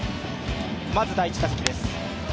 まず第１打席です。